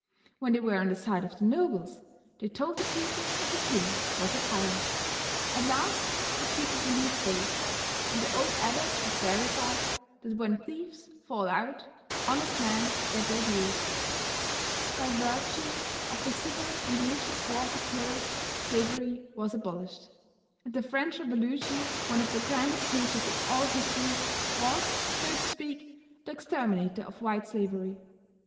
When they were on the side of the nobles they told the people that the king was a tyrant. At last the people believed both, and the old adage was verified, that when thieves fall out honest men get their dues. By virtue of the civil and religious wars of Europe, slavery was abolished, and the French Revolution, one of the grandest pages in all history, was, so to speak, the exterminator of white slavery.